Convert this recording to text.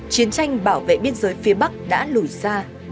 chiến tranh bảo vệ biên giới phía bắc đã lùi xa